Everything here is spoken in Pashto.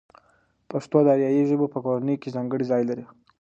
پښتو د آریایي ژبو په کورنۍ کې ځانګړی ځای لري.